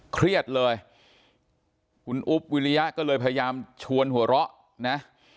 เครียดเลยคุณอุ๊บวิริยะก็เลยพยายามชวนหัวเราะนะ